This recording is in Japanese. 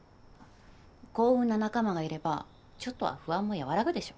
幸運な仲間がいればちょっとは不安も和らぐでしょ。